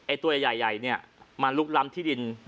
ตัวใหญ่เนี่ยมันลุกล้ำที่ดิน